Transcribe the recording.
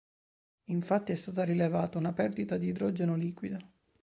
Infatti è stata rilevata una perdita di idrogeno liquido.